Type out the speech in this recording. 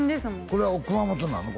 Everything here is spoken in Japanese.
これは熊本なの？